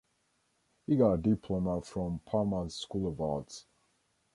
He got a diploma from Parma’s School of Arts.